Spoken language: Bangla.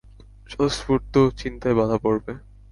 স্বতঃস্ফূর্ত চিন্তায় বাধা পড়বে।